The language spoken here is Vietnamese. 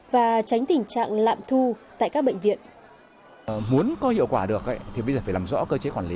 và tránh tình trạng lạm thu tại các bệnh viện